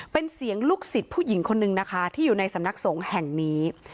เป็นเสียงลูกศิษย์ผู้หญิงคนนึงนะคะที่อยู่ในสำนักสงฆ์แห่งนี้